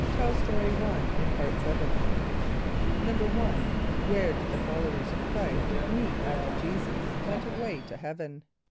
(Tell Story 1 in Part Seventh.) =1.= Where did the followers of Chr[=i]st meet after J[=e]´[s+]us went away to heaven?